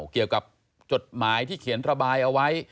เกี่ยวกับจดหมายที่เขียนระบายเอาไว้